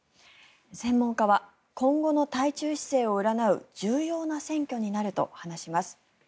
専門家は今後の対中姿勢を占う重要な選挙になると話します。